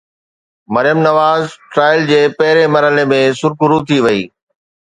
Maryam Nawaz trial جي پهرين مرحلي ۾ سرخرو ٿي وئي.